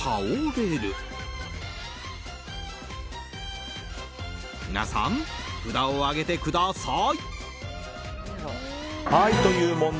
では、札を上げてください。